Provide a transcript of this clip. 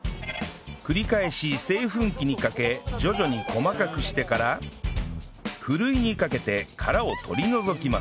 繰り返し製粉機にかけ徐々に細かくしてからふるいにかけて殻を取り除きます